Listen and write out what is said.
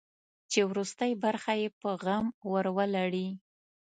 چې وروستۍ برخه یې په غم ور ولړي.